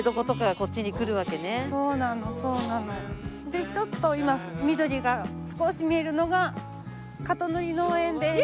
でちょっと今緑が少し見えるのがカトノリ農園です。